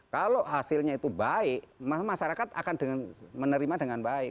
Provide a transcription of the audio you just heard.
kalau hasilnya itu baik maka masyarakat akan menerima dengan baik